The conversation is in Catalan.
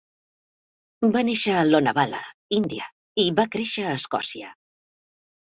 Va néixer a Lonavala, India, i va créixer a Escòcia.